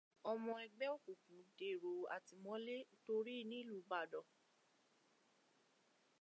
Ọmọ ẹgbẹ́ òkùnkùn dèrò àtìmọ́lé torí nílùú Ìbàdàn.